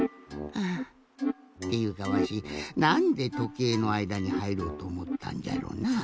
っていうかわしなんでとけいのあいだにはいろうとおもったんじゃろなあ？